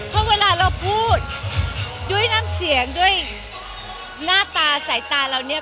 เพราะเวลาเราพูดด้วยน้ำเสียงด้วยหน้าตาสายตาเราเนี่ย